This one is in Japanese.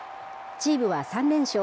チームは３連勝。